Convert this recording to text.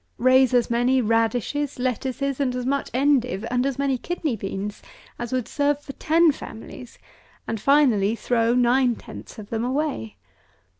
Raise as many radishes, lettuces, and as much endive, and as many kidney beans, as would serve for ten families; and finally throw nine tenths of them away.